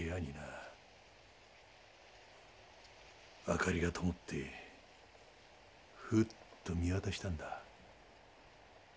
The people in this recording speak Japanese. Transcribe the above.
明かりがともってふっと見渡したんだ。